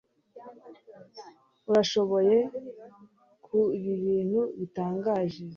Urashoboye ku ibintu bitangaje.